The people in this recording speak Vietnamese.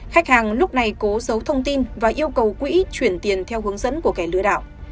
khách hàng lúc này cố giấu thông tin và yêu cầu quỹ chuyển tiền theo hướng dẫn của kẻ lừa đảo